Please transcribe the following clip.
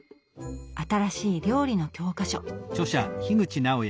「新しい料理の教科書」。